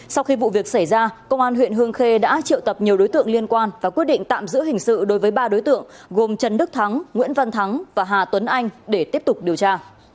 sau khi vụ việc xảy ra công an huyện hương khê đã triệu tập nhiều đối tượng liên quan và quyết định tạm giữ hình sự đối với ba đối tượng gồm trần đức thắng nguyễn văn thắng và hà tuấn anh để tiếp tục điều tra